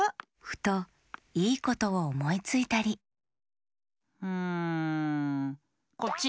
ふといいことをおもいついたりんこっち！